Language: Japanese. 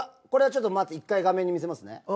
これはちょっとまず１回画面に見せますね。